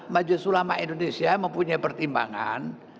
majlis ulama indonesia mempunyai pertimbangan